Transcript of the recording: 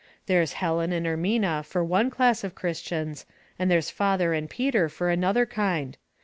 There's Helen and Ermina for one class of Christians, and there's father and Peter for another kind.